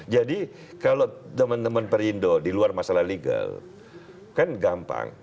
jadi kalau teman teman perindo di luar masalah legal kan gampang